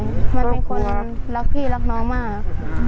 ใช่มันเป็นคนรักพี่รักน้องมาก